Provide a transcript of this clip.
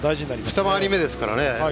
二回り目ですからね。